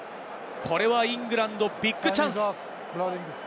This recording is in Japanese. これはイングランド、ビッグチャンス。